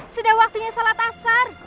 sudah waktunya salat asar